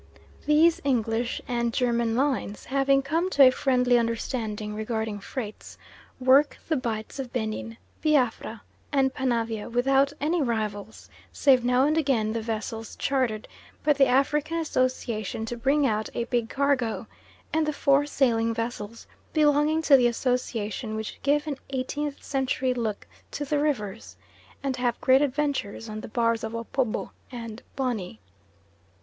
These English and German lines, having come to a friendly understanding regarding freights, work the Bights of Benin, Biafra, and Panavia, without any rivals, save now and again the vessels chartered by the African Association to bring out a big cargo, and the four sailing vessels belonging to the Association which give an eighteenth century look to the Rivers, and have great adventures on the bars of Opobo and Bonny.